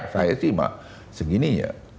saya sih mak segininya